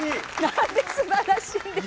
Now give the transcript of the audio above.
なんですばらしいんですか？